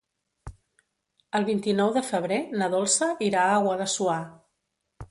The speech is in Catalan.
El vint-i-nou de febrer na Dolça irà a Guadassuar.